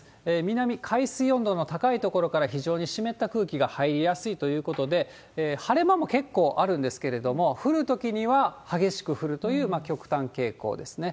南、海水温度の高い所から非常に湿った空気が入りやすいということで、晴れ間も結構あるんですけれども、降るときには激しく降るという極端傾向ですね。